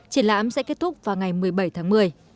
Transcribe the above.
triển lãm sẽ kết thúc vào ngày một mươi bảy tháng một mươi